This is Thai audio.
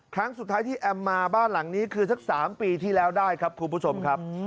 ครั้งสุดท้ายที่แอมมาบ้านหลังนี้คือสัก๓ปีที่แล้วได้ครับคุณผู้ชมครับ